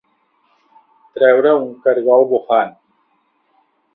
Treure un caragol bufant.